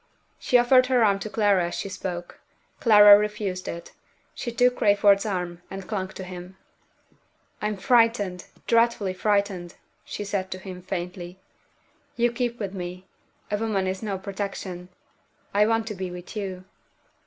She offered her arm to Clara as she spoke. Clara refused it. She took Crayford's arm, and clung to him. "I'm frightened, dreadfully frightened!" she said to him, faintly. "You keep with me a woman is no protection; I want to be with you."